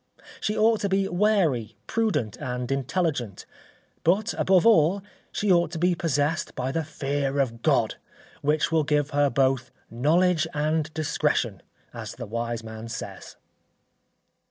She ought to be wary, prudent, and intelligent, but above all, she ought to be possessed by the fear of God, which will give her both "knowledge and discretion," as the wise man says.